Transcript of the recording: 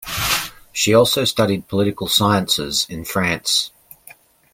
She also studied Political Sciences in France.